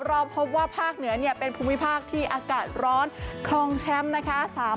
เราพบว่าภาคเหนือเป็นภูมิภาคที่อากาศร้อนคลองแชมป์นะคะ